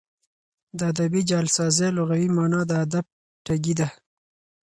د ادبي جعلسازۍ لغوي مانا د ادب ټګي ده.